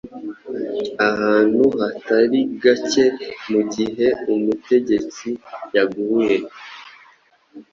Ahantu hatari gakemugihe umutegetsi yaguye